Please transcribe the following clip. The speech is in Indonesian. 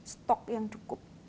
stok yang cukup